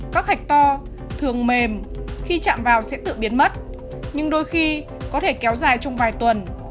các hạch to thường mềm khi chạm vào sẽ tự biến mất nhưng đôi khi có thể kéo dài trong vài tuần